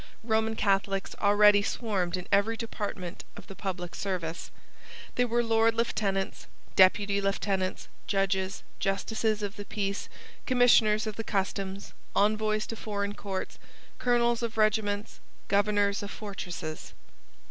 Roman Catholics already swarmed in every department of the public service. They were Lords Lieutenants, Deputy Lieutenants, judges, justices of the Peace, Commissioners of the Customs, Envoys to foreign courts, Colonels of regiments, Governors of fortresses.